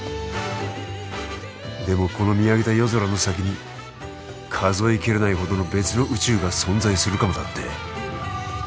でもこの見上げた夜空の先に数えきれないほどの別の宇宙が存在するかもだって？